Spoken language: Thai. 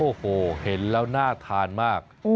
โอ้โหเห็นแล้วน่าทานมาก